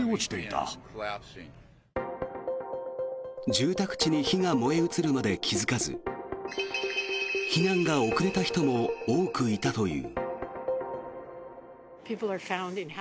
住宅地に火が燃え移るまで気付かず避難が遅れた人も多くいたという。